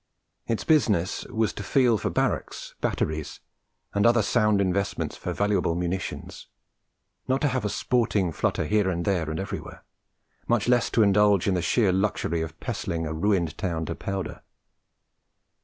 Its business was to feel for barracks, batteries, and other sound investments for valuable munitions; not to have a sporting flutter here, there, and everywhere; much less to indulge in the sheer luxury of pestling a ruined area to powder.